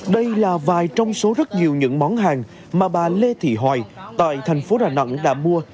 đây là vài trong số rất nhiều những món hàng mà bà lê thị hoài tại thành phố đà nẵng đã mua